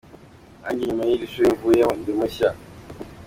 Nanjye nyuma y’iri shuri mvuyemo, ndi mushya.